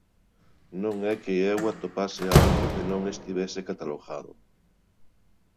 Non é que eu atopase algo que non estivese catalogado.